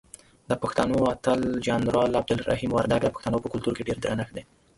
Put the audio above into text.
دپښتنو اتل جنرال عبدالرحیم وردک دپښتنو په کلتور کې ډیر درنښت دی.